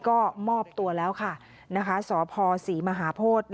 ก็มอบตัวแล้วค่ะสพศรีมหาโพธิ